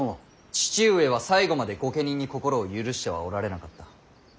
父上は最後まで御家人に心を許してはおられなかった。